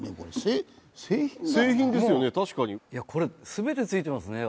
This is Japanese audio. これ全て付いてますね。